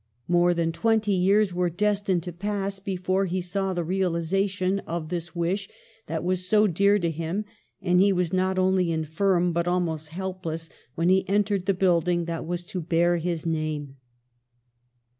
More than twenty years were destined to pass before he saw the realisation of this wish that was so dear to him, and he was not only infirm but almost helpless when he entered the building that was to bear his name.